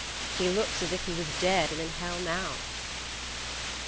He looks as if he was dead and in hell now!"